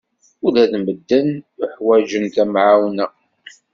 Ula d medden yuḥwaǧen tamɛawna.